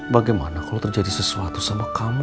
bagaimana kalau terjadi sesuatu sama kamu